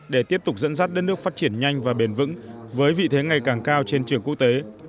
để tiếp tục dẫn dắt đất nước phát triển nhanh và bền vững với vị thế ngày càng cao trên trường quốc tế